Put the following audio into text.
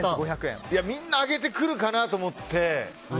みんな上げてくるかなと思って。